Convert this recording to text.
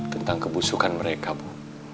tentang kebusukan mereka bu